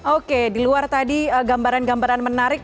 oke di luar tadi gambaran gambaran menarik